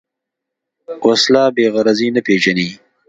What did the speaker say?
وسله بېغرضي نه پېژني